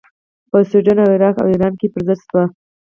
په سودان او عراق او ایران کې پر ضد شوې.